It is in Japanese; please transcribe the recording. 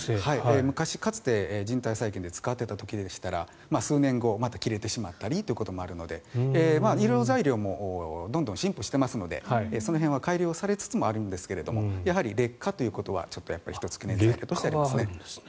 かつて、じん帯再建で使っていた時でしたら数年後また切れてしまうこともあるので医療材料もどんどん進歩していますのでその辺は改良されつつあるんですがやはり劣化ということは１つ懸念があります。